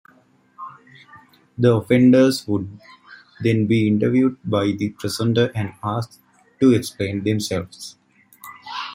The offenders would then be interviewed by the presenter and asked to explain themselves.